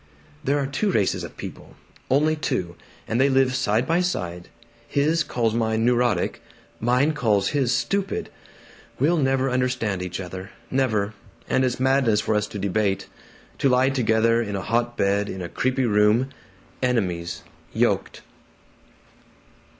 "There are two races of people, only two, and they live side by side. His calls mine 'neurotic'; mine calls his 'stupid.' We'll never understand each other, never; and it's madness for us to debate to lie together in a hot bed in a creepy room enemies, yoked."